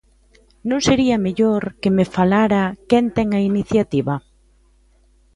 ¿Non sería mellor que me falara quen ten a iniciativa?